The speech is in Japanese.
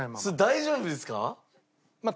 それ大丈夫ですか？